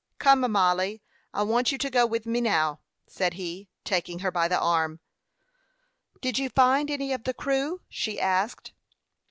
"Come, Mollie. I want you to go with me now," said he, taking her by the arm. "Did you find any of the crew?" she asked.